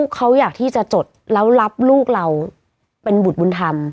เขาอยากที่จะจดแล้วรับลูกเราเป็นบุตรบุญธรรม